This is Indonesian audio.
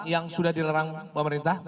yang sudah dilarang pemerintah